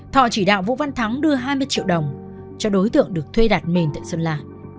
thọ chỉ đạo vũ văn thắng đưa hai mươi triệu đồng cho đối tượng được thuê đặt mền tại sơn la